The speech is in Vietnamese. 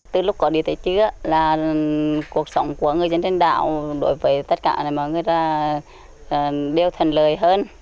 từ lúc có điện tới trước cuộc sống của người dân trên đảo đối với tất cả mọi người đều thần lời hơn